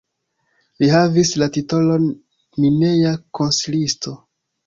Li havis la titolon mineja konsilisto.